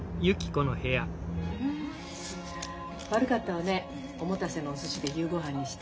悪かったわねお持たせのおすしで夕ごはんにして。